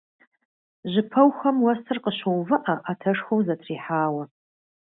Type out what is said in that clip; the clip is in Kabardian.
Жьыпэухэм уэсыр къыщоувыӀэ, Ӏэтэшхуэу зэтрихьауэ.